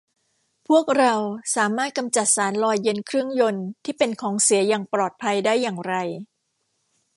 พวกเราสามารถกำจัดสารหล่อเย็นเครื่องยนต์ที่เป็นของเสียอย่างปลอดภัยได้อย่างไร